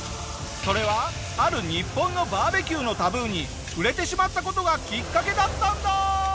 それはある日本のバーベキューのタブーに触れてしまった事がきっかけだったんだ！